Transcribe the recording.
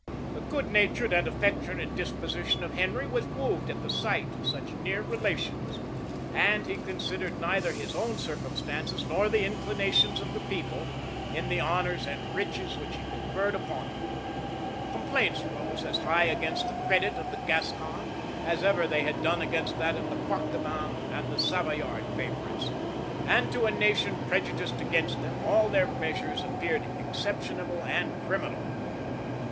The good natured and affectionate disposition of Henry was moved at the sight of such near relations; and he considered neither his own circumstances, nor the inclinations of his people, in the honors and riches which he conferred upon them.[] Complaints rose as high against the credit of the Gascon, as ever they had done against that of the Poictevin and of the Savoyard favorites; and to a nation prejudiced against them, all their measures appeared exceptionable and criminal.